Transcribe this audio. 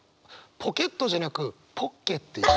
「ポケット」じゃなく「ポッケ」っていう。